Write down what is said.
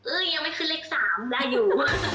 ยังไม่ขึ้นเลข๓ได้อยู่